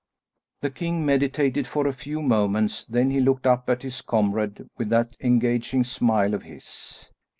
The king meditated for a few moments, then he looked up at his comrade with that engaging smile of his.